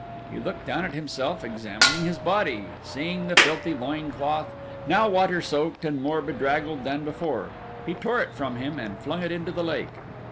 He looked down at himself, examining his body, and seeing the filthy loin cloth, now water soaked and more bedraggled than before, he tore it from him and flung it into the lake.